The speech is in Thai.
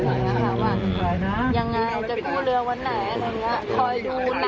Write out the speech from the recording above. ถามว่ายังไงจะพูดเรือวันไหนอย่างไร